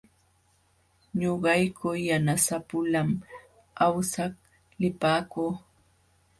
Ñuqayku yanasapulam awsaq lipaakuu.